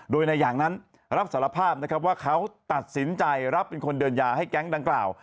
โดยนายอย่างนั้นรับสารภาพนะครับว่าเขาตัดสินใจรับเป็นคนเดินยาให้แก๊งดังกล่าว